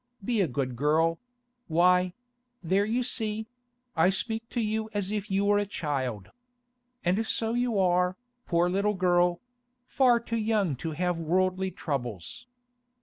Be a good girl—why, there you see; I speak to you as if you were a child. And so you are, poor little girl—far too young to have worldly troubles.